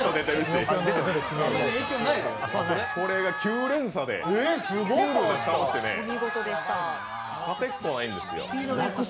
これが９連鎖で倒してね、勝てっこないんですよ。